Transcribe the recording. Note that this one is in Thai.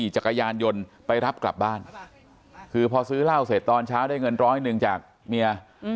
จักรยานยนต์ไปรับกลับบ้านคือพอซื้อเหล้าเสร็จตอนเช้าได้เงินร้อยหนึ่งจากเมีย